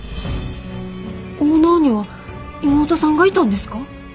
オーナーには妹さんがいたんですか？